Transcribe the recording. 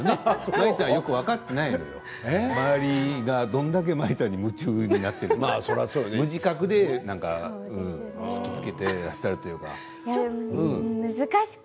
舞ちゃんは分かってないの周りがどれだけ舞ちゃんに夢中になっているか無自覚でひきつけていらっしゃる。